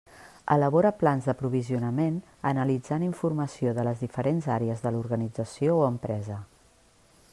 Elabora plans d'aprovisionament, analitzant informació de les diferents àrees de l'organització o empresa.